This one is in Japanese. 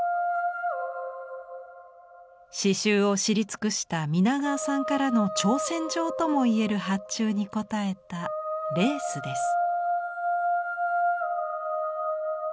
刺しゅうを知り尽くした皆川さんからの挑戦状ともいえる発注に応えたレースです。